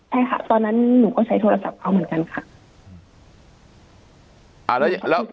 ใช่ค่ะตอนนั้นหนูก็ใช้โทรศัพท์เขาเหมือนกันค่ะ